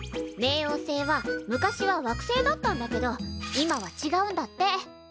冥王星は昔は惑星だったんだけど今はちがうんだって。